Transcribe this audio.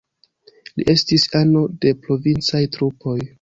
Li estis ano de provincaj trupoj.